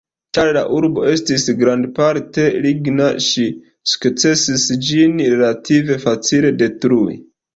Ĉar la urbo estis grandparte ligna, ŝi sukcesis ĝin relative facile detrui.